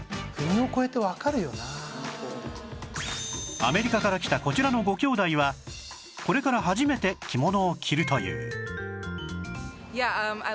アメリカから来たこちらのごきょうだいはこれから初めて着物を着るという